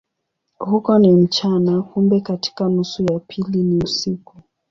Huko ni mchana, kumbe katika nusu ya pili ni usiku.